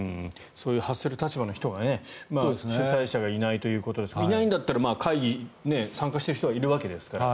そういう発する立場の人が主催者がいないということでいないんだったら会議に参加している人はいるんですから。